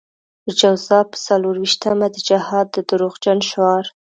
د جوزا په څلور وېشتمه د جهاد د دروغجن شعار.